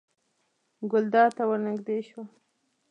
ګلداد ته ور نږدې شوه.